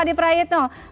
sudah bergabung dengan